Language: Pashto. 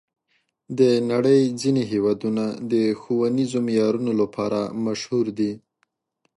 د نړۍ ځینې هېوادونه د ښوونیزو معیارونو لپاره مشهور دي.